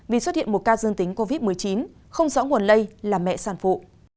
vì xuất hiện một ca dương tính covid một mươi chín không rõ nguồn lây là mẹ sản phụ